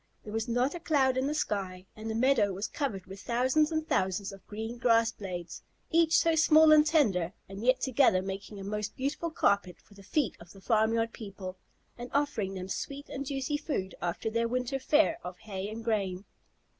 There was not a cloud in the sky, and the meadow was covered with thousands and thousands of green grass blades, each so small and tender, and yet together making a most beautiful carpet for the feet of the farmyard people, and offering them sweet and juicy food after their winter fare of hay and grain.